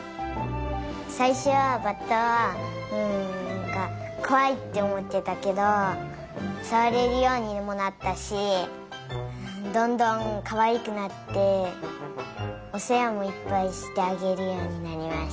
さいしょはバッタはうんなんかこわいっておもってたけどさわれるようにもなったしどんどんかわいくなっておせわもいっぱいしてあげるようになりました。